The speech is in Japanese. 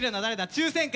抽選会！」